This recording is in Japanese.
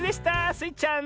スイちゃん